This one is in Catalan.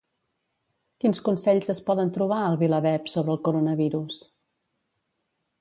Quins consells es poden trobar al VilaWeb sobre el Coronavirus?